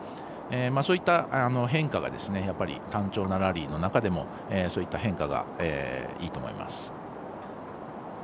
そういった変化がやっぱり単調なラリーの中でもそういった変化がいいと思います。